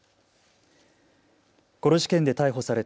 この事件で逮捕された